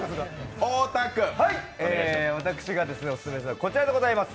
私がオススメするのはこちらでございます。